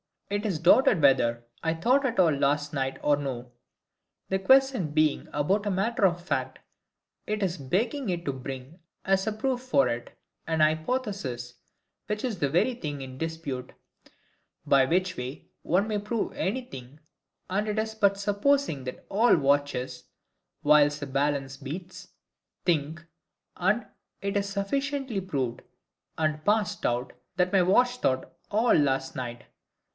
It is doubted whether I thought at all last night or no. The question being about a matter of fact, it is begging it to bring, as a proof for it, an hypothesis, which is the very thing in dispute: by which way one may prove anything, and it is but supposing that all watches, whilst the balance beats, think, and it is sufficiently proved, and past doubt, that my watch thought all last night.